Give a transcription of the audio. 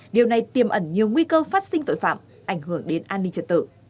điều này tiêm ẩn nhiều nguy cơ phát sinh tội phạm ảnh hưởng đến an ninh trật tự